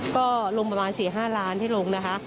ก็ลงประมาณ๔๕ล้านที่ลงนะคะ